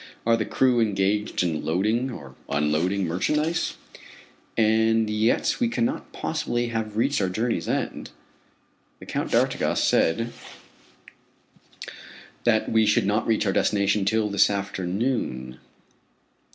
Are the crew engaged in loading or unloading merchandise? And yet we cannot possibly have reached our journey's end. The Count d'Artigas said that we should not reach our destination till this afternoon.